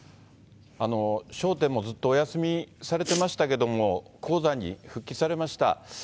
笑点もずっとお休みされてましたけども、高座に復帰されました。